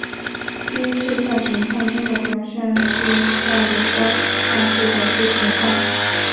第一次在审判中的表现是在有关纳粹的罪行上。